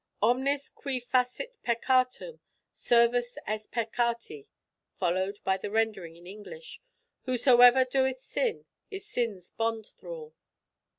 Omnis qui facit peccatum, servus est peccati, followed by the rendering in English, "Whosoever doeth sin is sin's bond thrall."